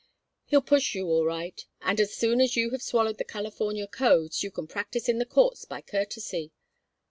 He'll push you all right, and as soon as you have swallowed the California codes you can practise in the courts by courtesy.